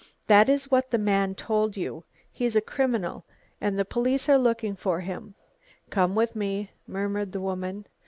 "That is what the man told you. He is a criminal and the police are looking for him." "Come with me," murmured the woman.